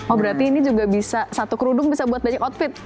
oh berarti ini juga bisa satu kerudung bisa buat banyak outfit